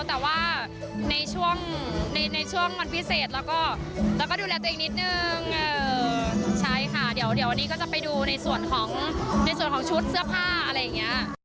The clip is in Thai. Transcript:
แต่ว่าในช่วงในช่วงวันพิเศษแล้วก็ดูแลตัวเองนิดนึงใช่ค่ะเดี๋ยววันนี้ก็จะไปดูในส่วนของในส่วนของชุดเสื้อผ้าอะไรอย่างนี้